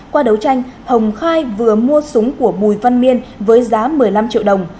qua đấu tranh hồng khai vừa mua súng của bùi văn miên với giá một mươi năm triệu đồng